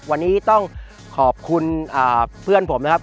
วันนี้ต้องขอบคุณเพื่อนผมนะครับ